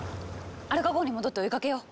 アルカ号に戻って追いかけよう！